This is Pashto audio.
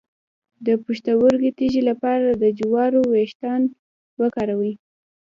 د پښتورګو تیږې لپاره د جوارو ویښتان وکاروئ